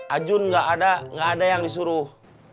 ajun gak ada gak ada yang disuruh